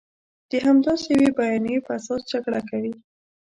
د همداسې یوې بیانیې په اساس جګړه کوي.